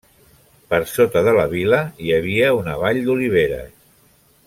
Per sota de la vila hi havia una vall d'oliveres.